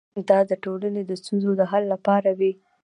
دا د ټولنې د ستونزو د حل لپاره وي.